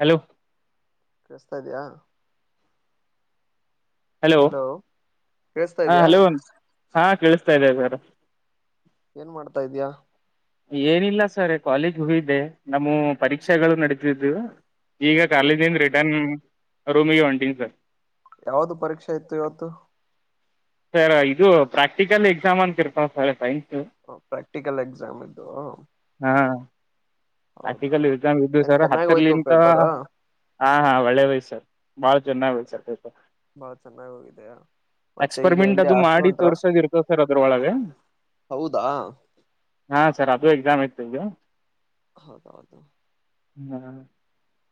Hello ಕಸ್ತಾ ಇದ್ಯಾ hello ಕೇಳಿಸ್ತಾ ಹ ಇದ್ಯಾ ಹಲೋ ಹಾ ಕೇಳಿಸ್ತಾ ಇದ್ದೇ ಸರ್ ಏನ್ ಮಾಡ್ತಾ ಇದ್ಯಾ. ಏನಿಲ್ಲ ಸರ್ ಕಾಲೇಜ್ ಹೋಗಿದ್ದೆ ನಮ್ಮ ಪರೀಕ್ಷೆಾಗಗಳು ನಡತಿದ್ದು ಈಗ ಹೌದಾ ಕಾಲೇಜಿನಿಂದ ರಿಟರ್ನ್ ರೂಮಿಗೆ ಹೊಂಟೀನಿ ಸರ್ ಯಾವ್ದ ಪರೀಕ್ಷೆ ಇತ್ತು ಇವತ್ತು. ಸರ್ ಇದು ಪ್ರಾಕ್ಟಿಕಲ್ ಎಕ್ಸಾಮ್ ಅಂತ ಇರ್ತಾವ ಸರ್ ಸೈನ್ಸ್ ಪ್ರಾಕ್ಟಿಕಲ್ ಎಕ್ಸಾಮ್ ಇದು ಹಾ ಪ್ರಾಕ್ಟಿಕಲ್ಎಕ್ಸಾಮ್ ಇದ್ದು ಏನ್ ಸರ್ ಚೆನ್ನಾಗ್ ಹೋಯ್ತು ಹತ್ತರ್ಲಿಂತ ಪೇಪರ್ ಹಾ ಹಾ ಒಳ್ಳೇ ವಯ್ ಸರ್ ಬಾಳ ಚೆನ್ನ್ ಸರ್ ಬಾಳ ಚೆನ್ನಾಗ್ ಹೋಗಿದೆ ಮತ್ತೆ ಈಗ ಎಕ್ಸ್ಪೆರಿಮೆಂಟ್ ಎಲ್ಲಿ ಅದು ಹಾಸ್ಟೆಲ್ ಮಾಡಿ ಹೊಂಟ್ರ ತೋರ್ಸೋದ ಇರ್ತದ ಸರ್ ಅದ್ರೊಳಗ ಹೌದಾ ಸರ್ ಅದು ಎಕ್ಸಾಮ್ ಇತ್ತು ಇದು. ಹೌದೌದು [unintelligible] ಹ್ಮ್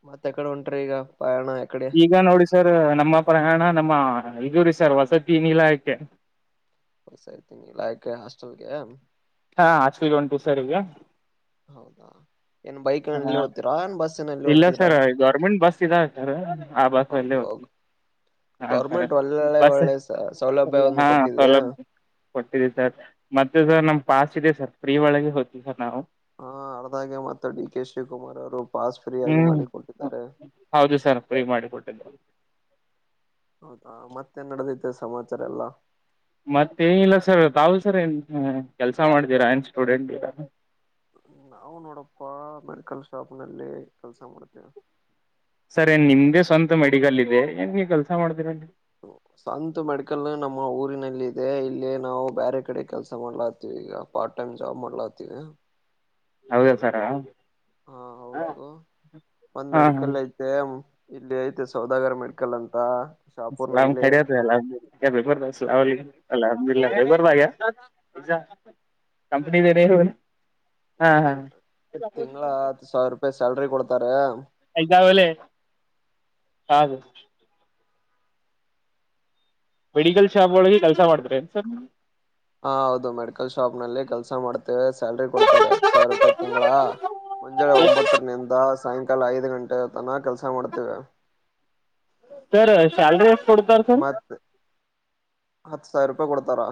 ಮತ್ತೆ ಎಕಡೆ ಉಂಟರ ಈಗ ಪಯಣ ಎಕಡೆ ಈಗ ನೋಡಿ ಸರ್ ನಮ್ಮ ಪ್ರಯಾಣ ನ ಹಮ್ಮ ಇದು ರೀ ಸರ್ ವಸತಿ ನೀಲಾಯಕ್ಕೆ [inaudible] ಪಸ ಆ ಇತೀನಲ್ಲಾ ಹಾಸ್ಟೆಲ್ಗೆ ಹಾ ಹಾಸ್ಟೆಲಿಗೆ ಹೊಂಟ್ಟು ಸರ್ ಈಗ ಹೌದಾ ಏನ್ ಹ ಬೈಕ್ನಲ್ಲಿ ಹೋಗ್ತೀರಾ ಏನ್ ಬಸ್ಸಿನಲ್ಲಿ ಇಲ್ಲ ಹೋಗ್ತಿದ್ರಾ ಸರ್ ಗೌರ್ಮೆಂಟ್ ಬಸ್ ಇದಾವ ಸರ್ ಆ ಬಾಸ ವೆ ಹೌದು ಹೋಗ [unintelligible] ಹಾ ಸರ ಗೌರ್ಮೆಂಟ್ ಒಳ್ಳೊಳ್ಳೆ ಬಸ್ರಿ ಒಳ್ಳೆ ಸೌಲಭ್ಯವನ್ನು ಹಾ ಕೊಟ್ಟಿದೆ ಸೌಲಭ್ಯ [unintelligible] ಕೊಟ್ಟಿದೆ ಸರ್ ಮತ್ತೆ ಸರ್ ನಮ್ ಪಾಸ್ ಇದೆ ಸರ್ ಫ್ರೀ ಒಳಗೆ ಹೋಗ್ತೀವಿ ಸರ್ ನಾವು ಹಾ ಅರ್ದಾಗೆ ಮತ್ತ ಡಿ ಕೆ ಶಿವಕುಮಾರ್ ಅವರು ಪಾಸ್ ಫ್ರೀಯಾಗಿ ಹ್ಮ್ ಮಾಡಿಕೊಟ್ಟಿದ್ದಾರೆ ಹೌದು ಸರ್ ಫ್ರೀ ಮಾಡಿ ಕೊಟ್ಟಿದ್ದು ಹೌದಾ ಮತ್ತೆ ನಡೆದೈತೆ ಸಮಾಚಾರ ಎಲ್ಲಾ ಮತ್ತೇನಿಲ್ಲ ಸರ್ ತಾವು ಸರ್ ಏನ್ ಕೆಲ್ಸ ಮಾಡ್ತೀರಾ ಏನ್ ಸ್ಟೂಡೆಂಟ್ರ ಸಕಲ್ ಶಾಪ್ ನಲ್ಲಿ ಕೆಲಸ ಮಾಡ್ತೇವೆ. ಸರಿ ನಿಮ್ದೇ ಸ್ವಂತ ಮೆಡಿಕಲ್ ಇದೆ ಏನ್ಗೆ ಕೆಲ್ಸ ಮಾಡ್ದಿರನ್ರಿ ಸಂತ ಮೆಡಿಕಲ್ ನಮ್ಮ ಊರಿನಲ್ಲಿ ಇದೆ ಇಲ್ಲಿ ನಾವು ಬೇರೆ ಕಡೆ ಕೆಲ್ಸ ಮಾಡ್ಲಾಗತೀವಿ. ಪಾರ್ಟ ಟೈಮ ಜಾಬ್ ಮಾಡಲಾತ ಹೌದ ಸರ್ ಹಾ ಹೌದು ಒಂದ್ ಹಾ ಮೆಡಿಕಲ್ ಐತೆ ಇಲ್ಲಿ ಐತೆ ಸೌದಾಗರ ಮೆಡಿಕಲ್ ಅಂತ ಶಾಪೂರ್ನಲ್ಲಿ ತ ಅ ಹ ಬೇಬರ್ ಅಹಮದಲ್ ಭಬರ್ದ [unintelligible] ಕಂಪನೀ ಬೇರೆ ತಿಂಗ ತಿಂಗಳ ಹತ್ತು ಸಾವಿರ ರೂಪಾಯಿ ಸ್ಯಾಲ್ರಿ ಕೊಡ್ತಾರೆ ಹ ಐದಾವಲೆ ಹದು [unintelligible] ಮೆಡಿಕಲ್ ಶಾಪ್ ಒಳಗೆ ಕೆಲ್ಸ ಮಾಡ್ತೀರೇನ್ರಿ ಸರ್ ಹಾ ಹೌದು ಮೆಡಿಕಲ್ ಶಾಪ್ ನಲ್ಲಿ ಕೆಲ್ಸ ಮಾಡ್ತೇವೆ ಸ್ಯಾಲ್ರಿ ಕೊಡ್ತಾರೆ ಹತ್ತು ಸಾವಿರ ರೂಪಾಯಿ ತಿಂಗಳ ಮುಂಜಳೆ ಒಂಬತ್ತರ ನಿಂದ ಸಾಯಂಕಾಲ ಐದು ಗಂಟೆ ತನ ಕೆಲ್ಸ ಮಾಡ್ತೇವೆ. ಸರ್ ಸ್ಯಾಲರಿ ಎಷ್ಟ ಕೊಡ್ತಾರೆ ಸರ್ ಹತ್ತು ಸಾವಿರ ರೂಪಾಯಿ ಕೊಡ್ತಾರಾ.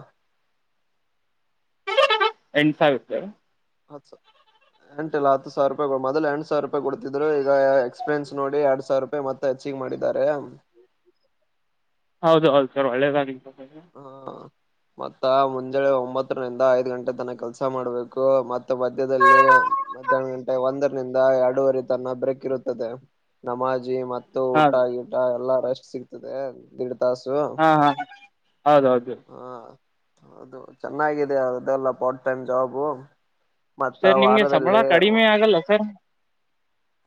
ಎಂಸಾಗುತ್ತ [unintelligible] ಅ ಸ [unintelligible] ಎಂಟ ಇಲ್ಲ ಹತ್ತುಾವರ ರೂಪಾಯಿ ಮೊದ ಎ ಸಾವರ ರೂಪಾಯಿ ಕೊಡ್ತಿದ್ದ ಈಗ ಎಕ್ಪೀರಿನ್ ನೋಡಿ ಎರಡ್ ಸಾವರ ರೂಪಾಯಿತ್ತತ್ ಚೀಗ್ ಮಾಡಿದ್ದಾರೆ ಹೌದು ಹೌದು ಸರ್ ಒಳ್ಳೆದಾಗಲಿ ಹಾ ಮತ್ತ ಮುಂಜಾನೆ ಒಂಬತ್ತರಿಂದ ಐದ್ ಗಂಟೆ ತನ ಕೆಲ್ಸ ಮಾಡ್ಬೇಕು ಮತ್ತೆ ಮಧ್ಯ್ಯದಲ್ಲಿ ಮತ್ತ್ಯಾ ಗಂಟೆ ಒಂದರಿಂದ ಎರಡೂುವರಿ ತನ್ನ ಬ್ರಕ್ ಇರುತ್ತದೆ ನಮಾಜಿ ಮತ್ತ ತ್ತು ಹಾ ಊಟ ಗೀಟ ಎಲ್ಲಾ ರೆಸ್ಟ್ ಸಿಗ್ತದೆ ದೀಡ್ ತಾಸು. ಹಾ ಹಾ ಹೌದೌದು. ಹಾ ಹೌದು ಚೆನ್ನಾಗಿದೆ ಅದೆಲ್ಲ ಪಾರ್ಟ್ ಟೈಮ್ ಜಾಬು. ಮತ್ತ ಸರ್ ನಿಮ್ಗೆ ಸಂಬಳ ವಾರದಲ್ಲಿ ಕಡಿಮೆ ಆಗಲ್ಲ ಸರ್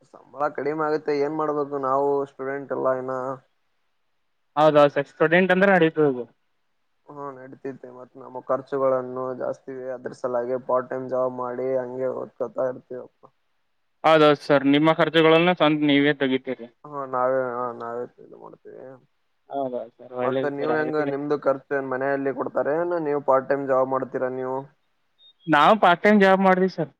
ಸಂಬಳ ಕಡಿಮೆ ಆಗತ್ತೆ ಏನ್ ಮಾಡ್ಬೇಕು ನಾವು ಸ್ಟೂಡೆಂಟ್ ಎಲ್ಲ ಇನ್ನ. ಹೌದೌದು ಸರ್ ಸ್ಟೂಡೆಂಟ್ ಅಂದ್ರ ನಡೀತದ. ಹ್ಮ ನಡಿತೀತೆ ಮತ್ತ್ ನಮ್ಮ ಖರ್ಚುಗಳನ್ನು ಜಾಸ್ತಿ ಇವೆ ಅದರ್ಸಲಾಗಿ ಪಾರ್ಟ್ ಟೈಮ್ ಜಾಬ್ ಮಾಡಿ ಹಂಗೆ ಓದ್ಕೊತಾ ಇರ್ತೀವಪ್ಪ. ಹೌದೌದು ಸರ್ ನಿಮ್ಮ ಖರ್ಚಗಳಲ್ಲ ಸ್ವ ನೀವೇ ತಗ ಹಾ ನಾವೇ ಹ ನಾವೇ ಮಾಡ್ತೇವಿ. ಹೌದೌದು ಸರ್ ಮತ್ತ ಒಳ್ಳೇದು ನೀವ್ ಹೆಂಗ ಸರ್ ನಿಮ್ದು ಖರ್ಚುನ್ ಮನೆಯಲ್ಲಿ ಕೊಡ್ತಾರೆ ನೀವು ಪಾರ್ಟ್ ಟೈಮ್ ಜಾಬ್ ಮಾಡ್ತೀರಾ ನೀವು ನಾವ್ ಪಾರ್ಟ್ ಟೈಮ್ ಜಾಬ್ ಮಾಡ್ದ್ವಿ sir.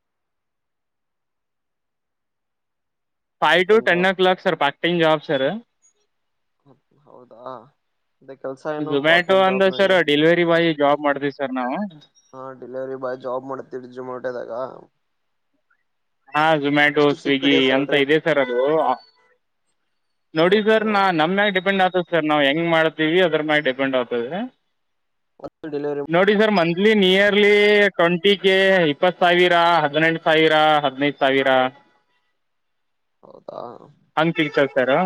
Five part two time ten job o'clock sir part time job sir. ಹ್ಮ ಹೌದಾ ಅದೇ ಕೆಲ್ಸ ಏನು ಪಾರ್ಟ್ ಝೊಮ್ಯಾಟೊ ಟೈಮ್ ಅಂದ್ರ ಜಾಬ್ ನಲ್ಲಿ ಸರ ಡೆಲಿವರಿ ಬಾಯಿ ಜಾಬ್ ಮಾಡಿದ್ವಿ ಸರ್ ನಾವು. ಹಾ ಡೆಲಿವರಿ ಬಾಯ್ ಜಾಬ್ ಮಾಡಾತಿರೀ ಝೊಮ್ಯಾಟೋದಾಗ. ಹಾ ಝೊಮ್ಯಾಟೊ, ಸ್ವಿಗ್ಗಿ ಎಂತ ಇದೆ ಸರ್ ಅದು ನೋಡಿ ಹೌದು ಸರ್ ನಾ ನಮ್ಮ್ಯಾಗ ಡಿಪೆಂಡ್ ಆಗ್ ಸರ್ ನಾವು ಹೆಂಗ್ ಮಾಡ್ತೀವಿ ಅದ್ರ ಮ್ಯಾಗ್ ಡಿಪೆಂಡ್ ಆಗ್ತದೆ. ಡೆಲಿವರಿ ನೋಡಿ sir monthly nearly twenty K ಇಪ್ಪತ್ ಸಾವಿರ ಹದ್ನೆಂಟು ಸಾವಿರ ಹದ್ನೈದು ಸಾವಿರ ಹೌದಾ. ತಾರೊ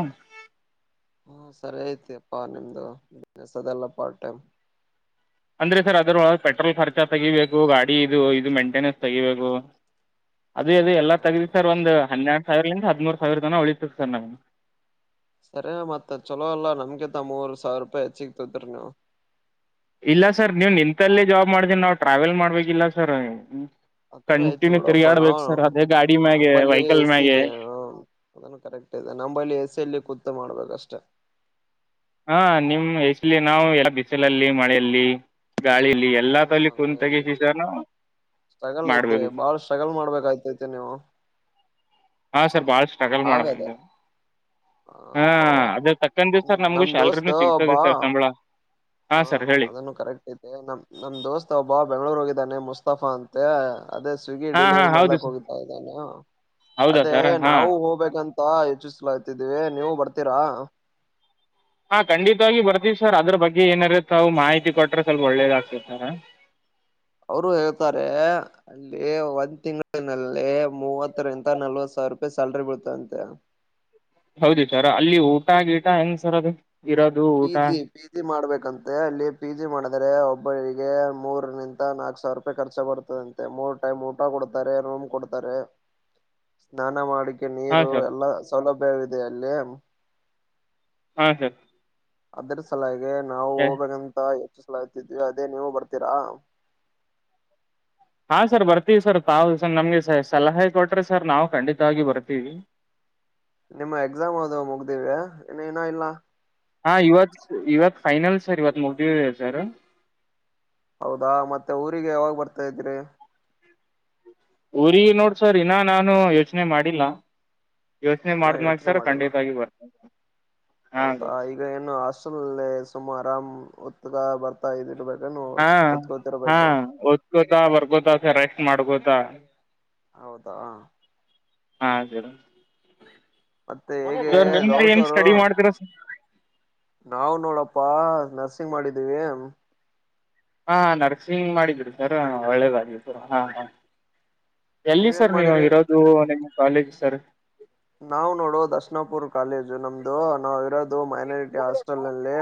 ಹ್ಮ ಸರಿ ಐತಿ ಅಪ್ಪಾ ನಿಮ್ದು ಬಿಸ್ನೆಸ್ ಅದೆಲ್ಲ ಪಾರ್ಟ್ ಟೈಮ್. ಅಂದ್ರೆ ಸರ್ ಅದರ ಒಳ ಪೆಟ್ರೋಲ್ ಖರ್ಚಾ ತೆಗಿಬೇಕು ಗಾಡಿ ಇದು ಇದು ಮೇಂಟೆನೆನ್ಸ್ ತೆಗಿಬೇಕು. ಅದೇ ಅದು ಎಲ್ಲ ತಗದಿ ಹೌದಾ ಸರ್ ಒಂದ್ ಹನ್ನೆರಡು ಸಾವಿರ್ಲಿಂದ ಹದ್ಮೂರ್ ಸಾವಿರ ತನ ಉಳಿತ ಸರ್ ನಮ್ಗ್. ಸರಿ ಮತ್ತ ಚುಲೋ ಅಲ್ಲಾ ನಮ್ಗಿಂತ ಮೂರು ಸಾವಿರ ರೂಪಾಯಿ ಹೆಚ್ಚಿಗಿತಗೋತಿರಿ ನೀವು. ಇಲ್ಲ ಸರ್ ನೀವ್ ನಿಂತಲ್ಲೇ ಜಾಬ್ ಮಾಡ್ದೀನ ನಾವು ಟ್ರಾವೆಲ್ ಮಾಡ್ಬೇಕಲ್ಲ ಸರ್. ಆತರ ಆಯ್ತು ಕಂಟಿನ್ಯೂ ಬಿಡಪ್ಪ ನಾ ತಿರುಗಾಡ್ಬೇಕು ಸರ್ ಅದೇ ಗಾಡಿ ಮ್ಯಾಗೆ ನಂಬಲ್ಲಿ ವೆಹಿಕಲ್ ಏ ಸೀ ಮ್ಯಾಗೆ ಇದೆ ಹಾಂ ಅದನ್ನು ಕರೆಕ್ಟ್ ನಂಬಲ್ಲಿ ಎ ಸಿ ಲ್ಲಿ ಕೂತ್ ಮಾಡ್ಬೇಕಷ್ಟೆ. ಹಾ ನಿಮ್ ಎಸ್ಲಿ ನಾವು ಎಲ್ಲ ಬಿಸಿಲಲ್ಲಿ ಮಳೆಯಲ್ಲಿ ಗಾಳಿಲಿ ಎಲ್ಲಾ ತಲಿ ಹ್ಮ್ ಕುಂತ ಎಲ್ಲಿ ತಗಿಸಾನು ಸ್ಟ್ರಗಲ್ ಐತೆ ಬಾಳ ಸ್ಟ್ರಗಲ್ ಮಾಡ್ಬೇಕಯ್ತೈತಿ ನೀವು. ಹಾ ಸರ್ ಬಾಳ್ ಸ್ಟ್ರಗಲ್ ಹಾಗದ ಮಾಡ್ಬೇಕ. ಆ ಹಾ ಕರೆ ಅದೇ ತಕ್ಕಂತ ಸರ್ ನಮಗು ಶಾಲ್ರಿನೂ ಸಿಗ್ತದೆ ಸರ್ ಸಂಬಳ. ಹಾ ಸರ್ ಹೇಳಿ ಅದನ್ನು ಕರೆಕ್ಟ್ ಐತೆ ನಮ್ ನಮ್ ದೋಸ್ತ್ ಒಬ್ಬಾ ಬೆಂಗ್ಳೂರ್ ಇ ದ್ದಾನೆ ಮುಸ್ತಫಾ ಅಂತ ಅದೇ ಸ್ವಿಗಿ ಹಾ ಹಾ ಡಿಲಿವರಿ ಹೌದು ಮಾಡ್ಲಕ್ ಸರ್ ಹೋಗಿದ್ದ ಇದಾನ ಹೌದಾ ಅದೇ ಸರ್ ಹಾ ನಾವು ಹೋಗ್ಬೇಕಂ ತಾ ಇಚ್ಚಿಸ್ಲಾತಿದ್ವಿ ನೀವು ಬರ್ತೀರಾ. ಹಾ ಖಂಡಿತವಾಗಿ ಬರ್ತೀವಿ ಸರ್ ಅದ್ರ ಬಗ್ಗೆ ಏನಾರ ತಾವು ಮಾಹಿತಿ ಕೊಟ್ರೆ ಸ್ವಲ್ಪ ಒಳ್ಳೇದಾಗ್ತತಿ ಸರ್. ಅವರು ಹೇಳ್ತಾರೆ ಅಲ್ಲಿ ಒಂದ್ ತಿಂಗಳಿನಲ್ಲಿ ಮೂವತ್ತರಿಂದ ನಲ್ವತ್ ಸಾ ಸಾವ್ರೂಪಾಯಿ ಸ್ಯಾಲ್ರಿ ಬೀಳ್ತಂತೆ. ಹೌದ್ರೀ ಸರ್ ಅಲ್ಲಿ ಊಟ ಗೀಟ ಹೆಂಗ್ ಸರ್ ಅದು. ಇರೋದು ಊಟ ಪೀಜಿ ಪೀಜಿ ಮಾಡ್ಬೇಕಂತೆ ಅಲ್ಲಿ ಪೀಜಿ ಮಾಡ ಅಂದ್ರೆ ಒಬ್ಬರಿಗೆ ಮೂರ ನಿಂತ ನಾಕ್ ಸಾವಿರ ರೂಪಾಯಿ ಖರ್ಚ ಬರ್ತದಂತೆ ಮೂರ್ ಟೈಮ್ ಊಟ ಕೊಡ್ತಾರೆ ರ್ ರೂಂ ಕೊಡ್ತಾರೆ ಸ್ನಾನ ಮಾಡಿ ಹಾಂ ನೀರು ಸರ್ ಎಲ್ಲಾ ಸೌಲಭ್ಯವಿದೆ ಅಲ್ಲಿ ಹಾ ಸರ್. ಅದ್ರ ಸಲಹೆಗೆ ನಾವು ಹೋಗ್ಬೇಕಂತ ಹೆಚ್ಚಸ ಹೇಳತ್ತಿದ್ವಿ ಅದೇ ನೀವು ಬರ್ತೀರಾ ಹಾ ಸರ್ ಬರ್ತೀವಿ ಸರ್ ತಾವು ಸರ್ ನಮಗೆ ಸ ಸಲಹೆ ಕೊಟ್ಟರೆ ಸರ್ ನಾವು ಖಂಡಿತವಾಗಿ ಬರ್ತೀವಿ. ಹ ನಿಮ್ಮ ಎಕ್ಸಾಮ್ ಆದು ಮುಗ್ದಿವಿ ಇನ್ನು ಏನ ಇಲ್ಲ ಹಾ ಇವತ್ ಇವತ್ ಫೈನಲ್ ಸರ್ ಇವತ್ ಮುಗದಿದೆ ಸರ್ ಹೌದಾ ಮತ್ತೆ ಊರಿಗೆ ಯಾವಾಗ ಬರ್ತಾ ಇದ್ದೀರಿ ಊರಿಗೆ ನೋಡ್ ಸರ್ ಇನ್ನ ನಾನು ಯೋಚನೆ ಮಾಡಿಲ್ಲ ಯೋಚನೆ ನಾ ಮಾಡಿದ್ಮೇಗ ಯೋಚನೆ ಸರ್ ಮಾಡಿಲ್ಲ ಖಂಡಿತಾಗಿ ಬರ್ತ ಹೌದಾ ಈಗ ಏನು ಹಾಸ್ಟೆಲ್ಲ್ಲಿ ಸುಮ ಆರಾಮ್ ಹೊತ್ಗ ಬರ್ತಾ ಇದಿರ ಹಾ ಹಾ ಓದ್ಕೋತ ಬರ್ಕೋತ ಸರ್ ರೆಸ್ಟ್ ಮಾಡ್ಕೊಂತ ಹೌದಾ ಹಾ ಮತ್ತೆ ಹೇಗೆ ಸರ್ ನೀವು ಏನ್ ಸ್ಟಡಿ ಮಾಡ್ತಿರ ಸರ್ ನಾವ ನೋಡಪ್ಪಾ ನರ್ಸಿಂಗ್ ಮಾಡಿದೀವಿ. ಹಾ ನರ್ಸಿಂಗ್ ಮಾಡಿದಿರಾ ಸರ್ ಒಳ್ಳೆದಾಗಲಿ ಸರ್ ಹಾ ಹಾ ಎಲ್ಲಿ ನೀವೇನ್ ಸರ್ ನೀವು ಮಾಡಿರಿ ಇರೋದು ನಿಮ್ಮ್ ಕಾಲೇಜ್ ಸರ್ ನಾವ ನೋಡುವ ದಶನಾಪುರ್ ಕಾಲೇಜ್ ನಮ್ದು ನಾವ ಇರೋದು ಮೈನಾರಿಟಿ ಹಾಸ್ಟೆಲ್ಲ್ಲಿ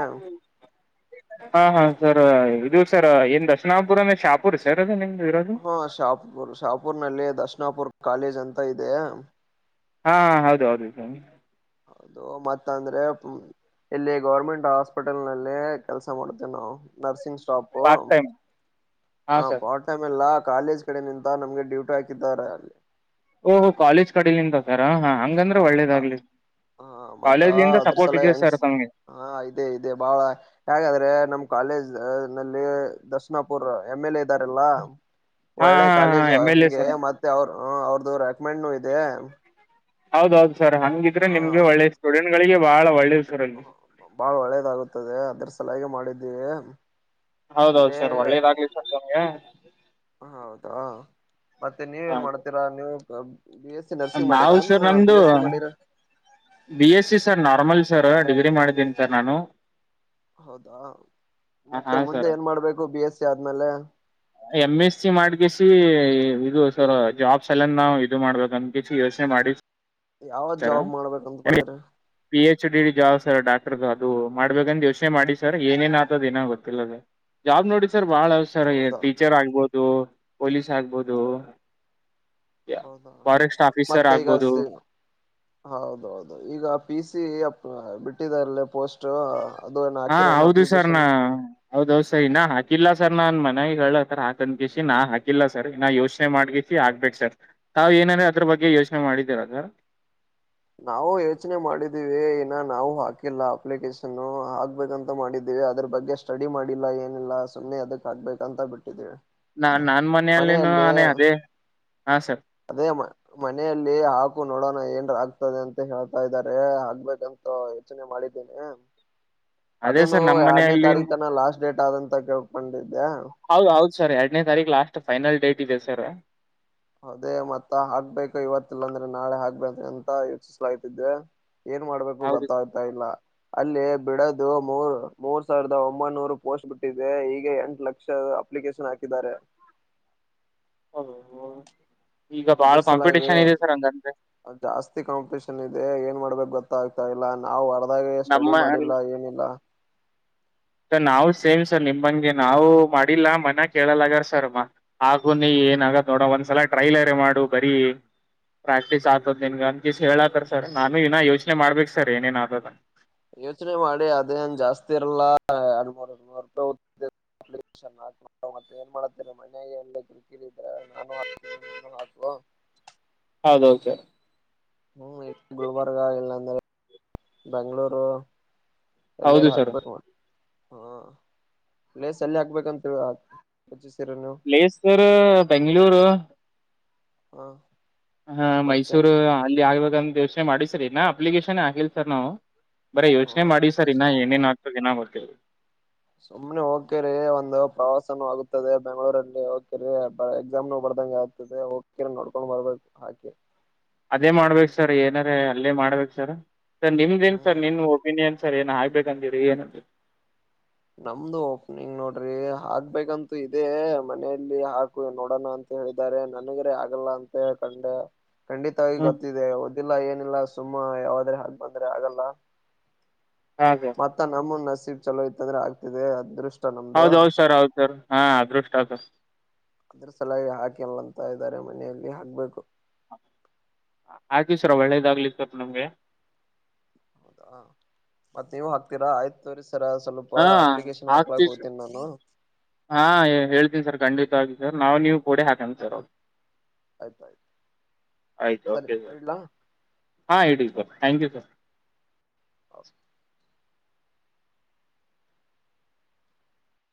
ಹಾ ಹಾ ಸರ್ ಇದು ಸರ್ ಏನ್ ದಶನಾಪು ಅಂದೆ ಶಾಪುರ್ ಸರ್ ಅದು ನಿಗೆ ಹಾ ಶಾಪುರ್ ಶಾಪುರ್ ನಲ್ಲಿ ದರ್ಶಣಾಪುರ್ ಕಾಲೇಜ್ ಅಂತ ಇದೆ ಹಾ ಹೌದು ಹೌದು ಅದು ಮತ್ತ ಅಂದ್ರೆ ಇಲ್ಲಿ ಗೌರ್ಮೆಂಟ್ ಹಾಸ್ಪಿಟಲ್ ನಲ್ಲಿ ಕೆಲಸ ಮಾಡುತ್ತೇವಿ ನಾವು ನರ್ಸಿಂಗ್ ಸಪ ಪಾರ್ಟ್ ಟೈಮ್ ಹಾ ಹ ಸರ್ ಪಾರ್ಟ್ ಟೈಮ್ ಇಲ್ಲ ಕಾಲೇಜ್ ಕಡೆ ನಿಂತ ನಮ್ಗೆ ಡ್ಯೂಟಿ ಹಾಕಿದ್ದಾರೆ ಅಲ್ಲಿ ಓಹೋ ಕಾಲೇಜ್ ಕಡೆ ನಿಮ್ದ ಸರ್ ಹಾ ಹಂಗಂದ್ರೆ ಒಳ್ಳೇದಾಗ್ಲಿ. ಹಾ ಮತ್ತಾ ಕಾಲೇಜಿಂದ ಸಪೋರ್ಟ್ ಅದ್ರಸಲ ಇದೆ ಹೆಂಗ್ಸ ಸರ್ ತಮ್ಗೆ ಹಾ ಇದೆ ಇದೆ ಬಾಳ ಯಾಕದ್ರೆ ನಮ ಕಾಲೇಜ್ ನಲ್ಲಿ ದರ್ಶನಾಪುರ್ ಎಮ್ ಎಲ್ ಎ ಇದ್ದಾರಲ್ಲ ಹಾ ಒಳ್ಳೆ ಹಾ ಹಾ ಕಾಲೇಜು ಎಮ್ ಎಲ್ ಎ ಹಂಗೆ ಸರ್ ಮತ್ತೆ ಅವ್ರ ಅವ್ರದು ರೆಕಮೆಂಡ್ ಇದೆ ಹೌದೌಹೌದು ಸರ್ ಹಂಗಿದ್ರೆ ಹ ನಿಮ್ಗೆ ಒಳ್ಳೆ ಸ್ಟೂಡೆಂಟ್ ಗಳಿಗೆ ಬಹಳ ಒಳ್ಳೆ. ಬಾಳ ಒಳ್ಳೇದಾಗುತ್ತದೆ ಅದ್ರ ಸಲವಾಗಿ ಮಾಡಿದ್ದೀವಿ ಹೌದ ಹೌದ ಇಲ್ಲೇ ಸರ್ ಒಳ್ಳೇದಾಗ್ಲಿ ಸರ್ ತಮ್ಗೆ ಹೌದಾ ಮತ್ತೆ ನೀವೇಏನ್ ಮಾಡ್ತೀರಾ ನೀವು ಗಬು ಬಿ ಎಸ್ ನರ್ಸಿಂಗ್ ಮಾಡಿರಾ ನಾವು ಸರ್ ನ ಬಿ ನಮ್ದು ಎಸ್ ಎ ಮಾಡಿರಾ B S C sir normal sir degree ಮಾಡಿದ್ದೀನಿ ಸರ್ ನಾನು ಹೌದಾ ಮತ್ತೆ ಹಾ ಮುಂದೆ ಸರ್ ಏನ್ ಮಾಡ್ಬೇಕು ಬಿ ಎಸ್ ಸಿ ಆದ್ಮೇಲೆ. ಎಮ್ ಎಸ್ ಸಿ ಮಾಡ್ಗಸ ಇದು ಸರ್ ಜಾಬ್ಸ್ ಎಲ್ಲ ನಾವು ಇದು ಮಾಡ್ಬೇಕ ಅಂದಿ ಯೋಚನೆ ಮಾಡಿವಿ ಯಾವತ್ ಜಾಬ್ ಮಾಡ್ಬೇಕಂತ ಅನ್ಕೊಂಡಿರಾ P H P gas doctor ಅದು ಮಾಡ್ಬೇಕಂತ್ ಯೋಚನೆ ಮಾಡಿವ ಸರ್ ಏನೇನ್ ಆತದ್ ಏನ ಗೊತ್ತಿಲ್ಲ ಅದೆ ಜಾಬ್ ನೋಡಿ ಸರ್ ಬಹಳಸರ ಹೌದಾ ಟೀಚರ್ ಆಗ್ಬೋದು ಪೊಲೀಸ್ ಆಗ್ಬೋದು ಹೌದಾ ಫಾರೆಸ್ಟ್ ಆಫೀಸರ್ ಮತ್ತ ಈಗ ಆಗ್ಬೋದು ಹಚ್ಚತೀನಿ ಹೌದ ಹೌ ಹೌದು ಈಗ ಪಿ ಸಿ ಬಿಟ್ಟಿದರಲ್ಲ ಪೋಸ್ಟ್ ಅದು ಏನ ಹಾ ಹಾಕಿರೇನು ಹೌದು ಸರ್ ನ ಅಪ್ಲಿಕೇಶನ್ ಹೌದು ಸರಿನಾ ಹಾಕಿಲ್ಲ ಸರ್ ನಾನ್ ಮನ್ಯಾಗ ಹೇಳತರ ಹಾಕನ್ಕಸ ನಾ ಹಾಕಿಲ್ಲ ಸರ್ ಇನ್ನ ಯೋಚನೆ ಮಾಡ್ಕಸಿ ಹಾಗ್ಬಬೇಕು ಸರ್ ತಾವ್ ಏನಾದ್ರ ಅದ್ರ ಬಗ್ಗೆ ಯೋಚನೆ ಮಾಡಿದ್ದೀರ ಸರ್ ನಾವು ಯೋಚನೆ ಮಾಡಿದ್ದೀವಿ ಇನ್ನ ನಾವು ಹಾಕಿಲ್ಲ ಅಪ್ಲಿಕೇಶನ್ ಹಾಕ್ಬೇಕಂತ ಮಾಡಿದ್ದೀವಿ. ಅದ್ರ ಬಗ್ಗೆ ಸ್ಟಡಿ ಮಾಡಿಲ್ಲಾ ಏನಿಲ್ಲ ಸುಮ್ಮ್ನೆ ಅದಕ್ ಆಗ್ಬೇಕ ಅಂತ ಬಿಟ್ಟಿದ್ವಿ. ನಾ ನಾನ್ ಮನೆಯಲ್ಲಿನು ಅದೇ ಹಾ ಸರ್. ಅದೇ ಮನೆಯಲ್ಲಿ ಹಾಕು ನೋಡೋಣ ಏನರೆ ಆಗ್ತ ಆತದೆ ಅಂತ ಹೇಳ್ತಾ ಇದಾರೆ ಆಗ್ಬೇಕಂತ ಯೋಚನೆ ಮಾಡಿದ್ದೀನಿ. ಅದೇ ಅದನ್ನು ಸರ್ ನಮ್ಮ್ ಎರಡನೇ ಮನೆಯಲ್ಲಿ ತಾರೀಖ ಏನೋ ಲಾಸ್ಟ್ ಡೇಟ್ ಆದಂತ ಕೇಳ್ಕೊಂಡಿದ್ದೆ ಹೌದ್ ಹೌದ್ ಸರ್ ಎರಡನೇ ತಾರೀಕು ಲಾಸ್ಟ್ ಫೈನಲ್ ಡೇಟ್ ಇದೆ ಸರ್. ಅದೇ ಮತ್ತ ಹಾಗ್ಕ್ಬೇಕು ಇವತ್ತ ಇಲ್ಲಾಂದ್ರೆ ನಾಳೆ ಹಾಕ್ಬೇಕ ಅಂತ ಯೋಚಿಸ್ಲಾಯಿತ್ತಿದ್ದೆ. ಏನು ಮಾಡ್ಬೇಕು ಹೌದು ಗೊತ್ತಾಗ್ತಾ ಇಲ್ಲ. ಅಲ್ಲಿ ಬಿಡದು ಮೂರ್ ಮೂರ್ ಸಾವಿರದ ಒಂಬೈನೂರು ಪೋಸ್ಟ್ ಬಿಟ್ಟಿದೆ ಈಗ ಎಂಟು ಲಕ್ಷ ಅಪ್ಲಿಕೇಶನ್ ಹಾಕಿದ್ದಾರೆ. ಹ ಅದರ್ ಸಲವಾಗಿ ಜಾಸ್ತಿ ಕಾಂಪಿಟೇಷನ್ ಇದೆ ಏನ್ ಮಾಡ್ಬೇಕ. ಗೊತ್ತಾಗ್ತಾ ಇಲ್ಲ ನಾವು ಅರ್ದಾಗ ಸ್ಟಡಿ ನಮ್ಮ ಮಾಡಿಲ್ಲ ಏನಿಲ್ಲ. ಸ ನಾವು ಸೇಮ್ ಸರ್ ನಿಮ್ಮಂಗೆ ನಾವು ಮಾಡಿಲ್ಲಾ ಮನೆ ಕೇಳಲಗಾರ ಸರ್ ಮ ಹಾಗು ನೀ ಏನ್ ಆಗಾದ್ ನೋಡ ಒಂದ್ಸಲ ಟ್ರೈಲರ ಮಾಡು ಬರೀ. ಪ್ರಾಕ್ಟೀಸ್ ಆತದ ನಿನ್ಗ ಅನ್ಕಿಸ ಹೇಳಾತಿರ್ತಾರ್ ನಾನು ಇನ ಯೋಚನೆ ಮಾಡ್ಬೇಕ ಸರ್ ಏನೇನ್ ಆತದ ಯೋಚನೆ ಮಾಡಿ ಅದೇನ್ ಜಾಸ್ತಿ ಇರಲ್ಲ [unintelligible] ರೂಪಾಯಿ [unintelligible] ಅಪ್ಲಿಕೇಶನ್ ಹಾಕ್ ಮಾಡುವ ಮತ್ತೆ ಏನ್ ಮಾಡುತ್ತೀರ ಮನೆಯಲ್ಲಿ ಕಿರಿಕಿರಿದ್ರ ನಾನು ಹಾಕ್ತೀನಿ ನೀನು ಹಾಕು. ಹೌದೌದು ಸರ್ ಹ್ಮು ಇಲ್ಲಿ ಗುಲ್ಬರ್ಗ ಇಲ್ಲಾಂದ್ರೆ ಬೆಂಗ್ಳೂರು. ಹೌದು ಎಲ್ಲಾರು ಸರ್ ಹಾಕ್ಬೇಕು. ಹಾ ಇಲ್ಲೇ ಸನೆ ಹಾಕ್ಬೇಕಂತ ಹೇಳ್ಯಾಳ್ [unintelligible] ಪ್ಲೇಸ್ರ್ ಸರ್ ಅ ಬೆಂಗಳೂರು. ಹಾ ಹಾ ಮತ್ತೆ ಮೈಸೂರು ಅಲ್ಲಿ ಆಗ್ಬೇಕಂತ ಯೋಚನೆ ಮಾಡಿ ಸರ್ ಅಪ್ಲಿಕೇಶನ್ ಆಗಿಲ್ ಸರ್ ನಾವು. ಬರೇ ಹ ಯೋಚನೆ ಮಾಡಿವ ಸರ್ ಇನ್ನ ಏನೇನ್ ಹಾಕ್ಬೇಕ್ ಇನ್ನ್ ಗೊತ್ತಿಲ್ಲ. ಸುಮ್ಮ್ನೆ ಹೋಗ್ತೀರಿ ಒಂದು ಪ್ರವಾಸ ಆಗದೆ ಬೆಂಗಳೂರಲ್ಲಿ ಹಕಿರಿ ಎಕ್ಸಾಮ್ ಬರ್ದಂಗ ಆಗ್ತದೆ [unintelligible] ನೋಡ್ಕೊಂಡ್ ಬರ್ಬೇಕ ಹಾಗೆ ಅದೇ ಮಾಡ್ಬೇಕು ಸರ್ ಏನರೆ ಅಲ್ಲೇ ಮಾಡ್ಬೇಕ ಸರ್ ಸರ್ ನಿಮ್ದೇನ್ ಹ್ಮ್ ಸರ್ ನಿಮ್ ಒಪಿನಿಯನ್. ಸರಿ ಏನ ಆಗ್ಬೇಕಂದೀರಿ [unintelligible] ನಮ್ದು ಓಪನಿಂಗ್ ನೋಡ್ರಿ ಹಾಕ್ಬೇಕಂತ ಇದೇ ಮನೆಯಲ್ಲಿ ಹಾಕು ನೋಡೋಣ ಅಂತ ತ ಹೇಳಿದ್ದಾರೆ ನನಗರೇ ಆಗಲ್ಲ ಅಂತ ಕಂಡ ಖಂಡಿತವಾಗಿ ಹ್ಮ್ ಗೊತ್ತಿದೆ. ಇಲ್ಲ ಏನಿಲ್ಲ ಸುಮ್ಮ ಯಾವಾದ್ರೆ ಹಾಕ್ ಬಂದ್ರೆ ಆಗಲ್ಲ ಹಾ ಸರ್ ಮತ್ತ ನಮ್ಮ ನಸೀಬ್ ಚಲೋ ಇತ್ತಂದ್ರ ಆಗ್ತದೆ ಅದೃಷ್ಟ ನಮ್ದು ಹೌದ್ ಹೌದ್ ಸರ್ ಹೌದ್ ಸರ್ ಹಾ ಅದೃಷ್ಟ ಸರ್. ಅದರ್ ಸಲ್ವಾಗಿ ಗಿ ಹಾಕೇಲ್ಲಂತ ಇದ್ದಾರೆ ಮನೆಯಲ್ಲಿ ಹಾಕ್ಬೇಕು. ಆಕಿ ಸರ್ ಒಳ್ಳೇದಾಗ್ಲಿ [unintelligible] ನಿಮ್ಗೆ. ಹೌದಾ ಮತ್ತ ನೀವು ಹಾಕ್ತೀರಾ ಆಯ್ತು ತೋರಸ ಹಾ ಆಗ್ತಿ ಸ ನಾನು ಹಾ ಹೇಳ್ತೀನ್ ಸರ್ ಖಂಡಿ [unintelligible] ನಾವ್ ನೀವು ಕೊಡೆ ಹಾಕಿ ಸರ್. ಆಯ್ತಾಯ್ತು ಆಯ್ತು ಸರಿ ಓಕೆ ಸರ್ ಇಡ್ಲಾ ಹಾ ಇಡಿ [unintelligible] ಥ್ಯಾಂಕ್ಯೂ ಸರ್.